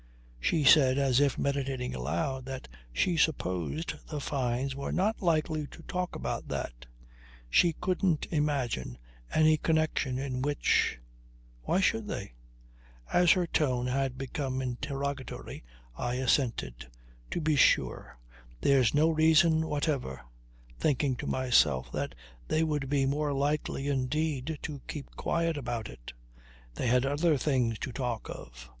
She said as if meditating aloud that she supposed the Fynes were not likely to talk about that. She couldn't imagine any connection in which ... Why should they? As her tone had become interrogatory I assented. "To be sure. There's no reason whatever " thinking to myself that they would be more likely indeed to keep quiet about it. They had other things to talk of.